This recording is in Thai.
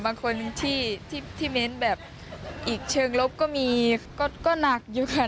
บางคนที่เม้นแบบอีกเชิงลบก็มีก็หนักอยู่ค่ะ